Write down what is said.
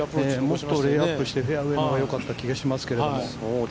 もっとレイアップしてフェアウェイのほうがよかった気がしますけども。